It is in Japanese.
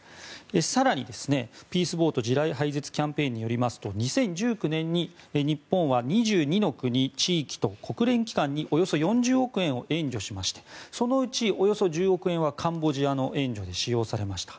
更に地雷廃絶日本キャンペーンによりますと２０１９年に日本は２２の国・地域と国連機関におよそ４０億円を援助しましてそのうちおよそ１０億円はカンボジアの援助で使用されました。